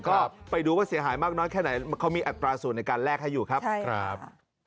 ก็ไปดูว่าเสียหายมากน้อยแค่ไหนเขามีอัตราส่วนในการแลกให้อยู่ครับใช่ครับ